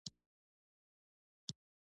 بدخشان د افغانستان د ځمکې د جوړښت نښه ده.